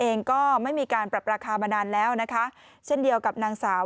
เองก็ไม่มีการปรับราคามานานแล้วนะคะเช่นเดียวกับนางสาว